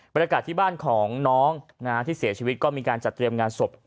บรรยากาศที่บ้านของน้องที่เสียชีวิตก็มีการจัดเตรียมงานศพ